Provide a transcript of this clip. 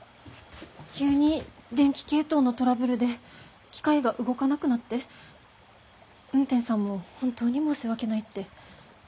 急に電気系統のトラブルで機械が動かなくなって運天さんも本当に申し訳ないって。